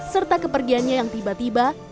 serta kepergiannya yang tiba tiba